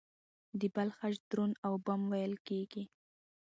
د بل خج دروند او بم وېل کېږي.